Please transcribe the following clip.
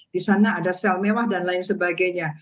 di sana ada sel mewah dan lain sebagainya